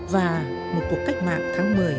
và một cuộc cách mạng tháng một mươi